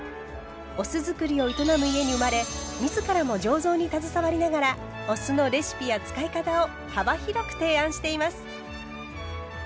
お酢造りを営む家に生まれ自らも醸造に携わりながらお酢のレシピや使い方を幅広く提案しています。